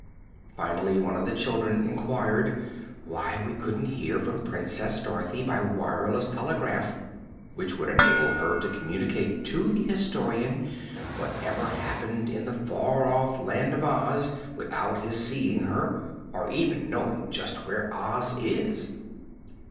Finally one of the children inquired why we couldn't hear from Princess Dorothy by wireless telegraph, which would enable her to communicate to the Historian whatever happened in the far off Land of Oz without his seeing her, or even knowing just where Oz is.